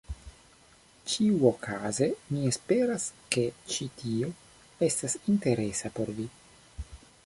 Ĉiuokaze mi esperas, ke ĉi tio estas interesa por vi.